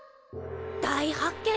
大発見